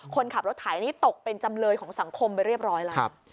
คนขับรถไถนี่ตกเป็นจำเลยของสังคมไปเรียบร้อยแล้ว